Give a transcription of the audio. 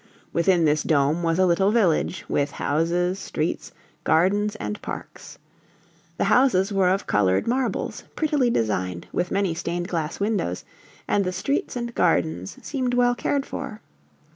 Within this dome was a little village, with houses, streets, gardens and parks. The houses were of colored marbles, prettily designed, with many stained glass windows, and the streets and gardens seemed well cared for.